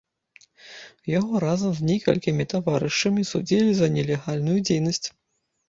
Яго разам з некалькімі таварышамі судзілі за нелегальную дзейнасць.